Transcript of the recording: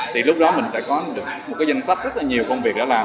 thì lúc đó mình sẽ có được một cái danh sách rất là nhiều công việc đã làm